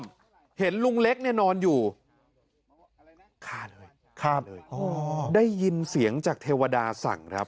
ที่กระท่อมเห็นลุงเล็กเนี่ยนอนอยู่ครับได้ยินเสียงจากเทวดาสั่งครับ